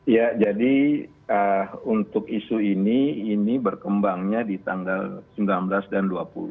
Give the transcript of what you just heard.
ya jadi untuk isu ini ini berkembangnya di tanggal sembilan belas dan dua puluh